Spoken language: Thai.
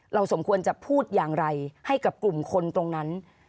สมควรจะพูดอย่างไรให้กับกลุ่มคนตรงนั้น